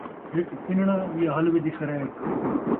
ہک پنݨاں ، ٻیا حلوے دی خریت